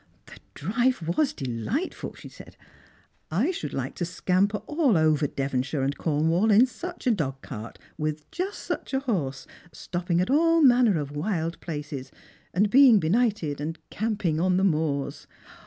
"The drive was delightful," she said. "I should like U scamper all over Devonshire and Cornwall in such a dogcart, with just such a horse, stopping at all manner of wild places, and being benighted, and camping on the moors.